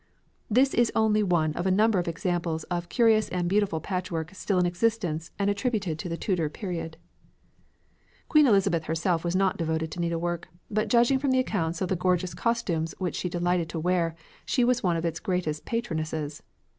This is only one of a number of examples of curious and beautiful patchwork still in existence and attributed to the Tudor period. Queen Elizabeth herself was not devoted to needlework, but judging from the accounts of the gorgeous costumes which she delighted to wear, she was one of its greatest patronesses.